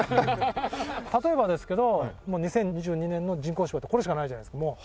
例えばですけど２０２２年の人工芝ってこれしかないじゃないですか。